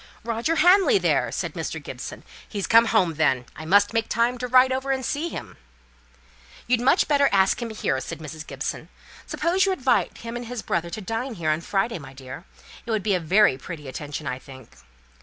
"Roger Hamley there!" said Mr. Gibson. "He's come home then. I must make time to ride over and see him." "You'd much better ask him here," said Mrs. Gibson. "Suppose you invite him and his brother to dine here on Friday, my dear. It would be a very pretty attention, I think."